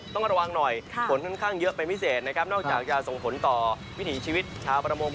ประสงค์ความได้ค่าส่งผลต่อวิถีชีวิตและน้ำเหลือ